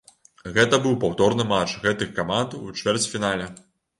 Гэта быў паўторны матч гэтых каманд у чвэрцьфінале.